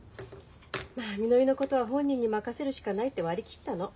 まあみのりのことは本人に任せるしかないって割り切ったの。